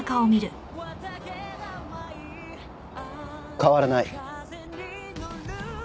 変わらない。